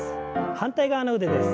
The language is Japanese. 反対側の腕です。